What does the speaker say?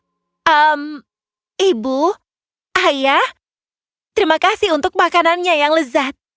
hmm ibu ayah terima kasih untuk makanannya yang lezat